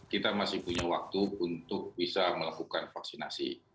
kita masih punya waktu untuk bisa melakukan vaksinasi